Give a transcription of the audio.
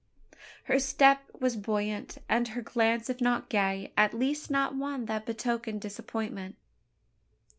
Her step was buoyant; and her glance, if not gay, at least not one that betokened disappointment.